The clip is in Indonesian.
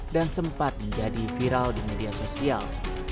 dan sempat menjadi viral di media sosial